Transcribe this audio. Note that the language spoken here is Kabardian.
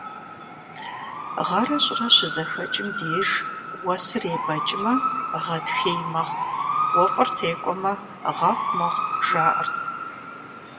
Гъэрэ щӀырэ щызэхэкӀым деж уэсыр ебэкӀмэ гъатхей мэхъу, уэфӀыр текӀуэмэ гъэфӀ мэхъу, жаӀэрт.